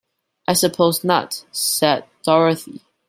"I suppose not," said Dorothy.